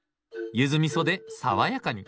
ゆずみそで爽やかに。